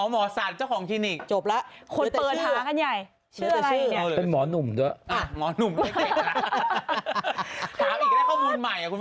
มันยิ่งโตยิ่งน่ารัก